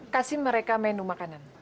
kasih mereka menu makanan